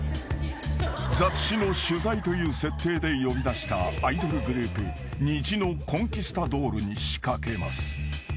［雑誌の取材という設定で呼び出したアイドルグループ虹のコンキスタドールに仕掛けます］